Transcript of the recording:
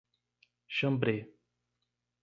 Xambrê